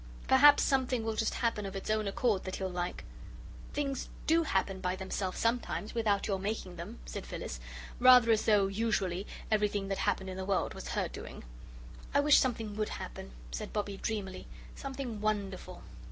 Perhaps something will just happen of its own accord that he'll like." "Things DO happen by themselves sometimes, without your making them," said Phyllis, rather as though, usually, everything that happened in the world was her doing. "I wish something would happen," said Bobbie, dreamily, "something wonderful."